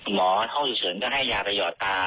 หมอเข้าอยู่เฉินก็ให้ยาไปหยอดตา